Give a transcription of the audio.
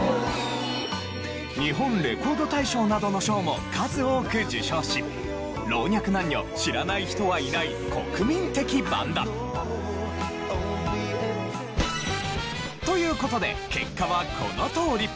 日本レコード大賞などの賞も数多く受賞し老若男女知らない人はいない国民的バンド。という事で結果はこのとおり。